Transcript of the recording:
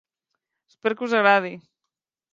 Esper que us agradi.